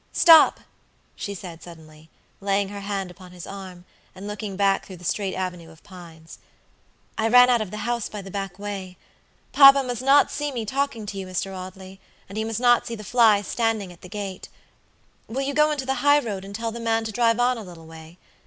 Stop," she said, suddenly, laying her hand upon his arm, and looking back through the straight avenue of pines; "I ran out of the house by the back way. Papa must not see me talking to you, Mr. Audley, and he must not see the fly standing at the gate. Will you go into the high road and tell the man to drive on a little way?